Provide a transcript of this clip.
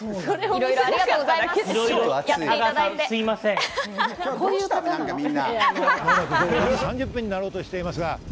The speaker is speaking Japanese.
いろいろありがとうございま間もなく午後４時３０分になろうとしています。